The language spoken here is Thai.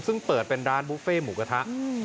ซึ่งเปิดเป็นร้านบุฟเฟ่หมูกระทะ